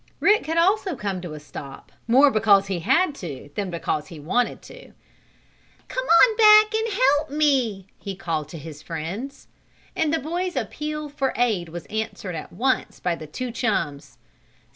Rick had also come to a stop, more because he had to, than because he wanted to. "Come on back and help me!" he called to his friends. And the boy's appeal for aid was answered at once by the two chums.